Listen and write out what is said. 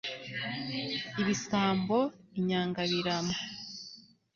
ibisambo, inyangabirama